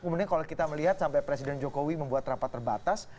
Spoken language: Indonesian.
kemudian kalau kita melihat sampai presiden jokowi membuat rapat terbatas